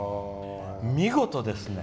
見事ですね。